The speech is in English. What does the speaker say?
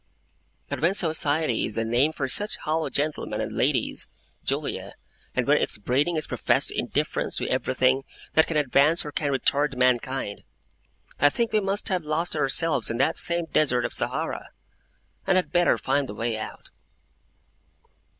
But when society is the name for such hollow gentlemen and ladies, Julia, and when its breeding is professed indifference to everything that can advance or can retard mankind, I think we must have lost ourselves in that same Desert of Sahara, and had better find the way out.